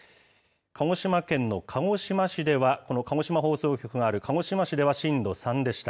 鹿児島県の鹿児島市では、この鹿児島放送局がある鹿児島市では震度３でした。